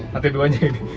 lantai duanya ini